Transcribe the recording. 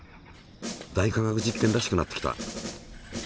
「大科学実験」らしくなってきた。